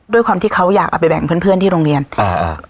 ด้วยความที่เขาอยากเอาไปแบ่งเพื่อนเพื่อนที่โรงเรียนอ่า